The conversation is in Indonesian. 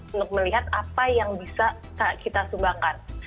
untuk melihat apa yang bisa kita sumbangkan